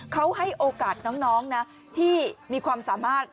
เขาให้โอกาสน้องนะที่มีความสามารถ